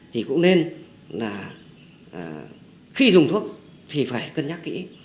thì cũng nên là khi dùng thuốc thì phải cân nhắc kỹ